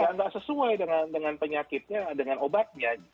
ya nggak sesuai dengan penyakitnya dengan obatnya